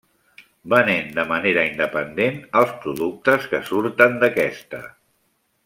Venent de manera independent els productes que surten d'aquesta.